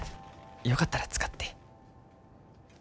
よかったら使って。